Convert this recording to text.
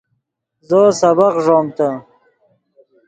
زو سبق ݱومتے